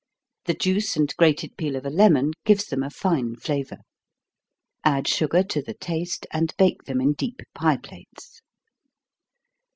The juice and grated peel of a lemon gives them a fine flavor. Add sugar to the taste, and bake them in deep pie plates.